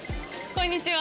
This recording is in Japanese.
こんにちは。